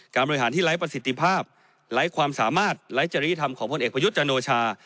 บริหารที่ไร้ประสิทธิภาพไร้ความสามารถไร้จริยธรรมของพลเอกประยุทธ์จันโอชา